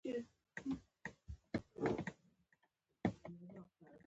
مسلمان شوم خو تصوير د اسلام نه شوم